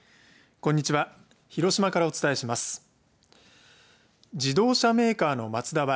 こんにちは。